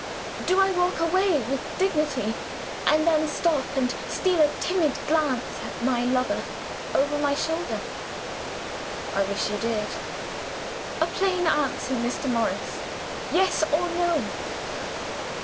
"Do I walk away with dignity and then stop, and steal a timid glance at my lover, over my shoulder?" "I wish you did!" "A plain answer, Mr. Morris! Yes or No."